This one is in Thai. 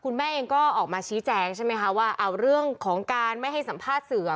คุณแม่เองก็ออกมาชี้แจงใช่ไหมคะว่าเอาเรื่องของการไม่ให้สัมภาษณ์สื่อ